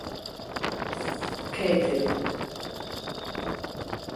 أنكروا حالتي التي قد صلحت